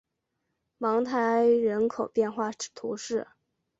芒泰埃人口变化图示